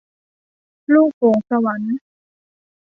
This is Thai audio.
ลูกโป่งสวรรค์